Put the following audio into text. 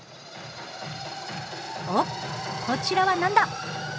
おっこちらは何だ！？